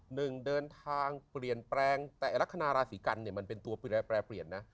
หนึ่งเดินทางเปลี่ยนแปลงแต่ลักษณะราศีกันเนี่ยมันเป็นตัวแปรเปลี่ยนนะ